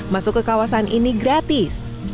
masuk ke kawasan ini gratis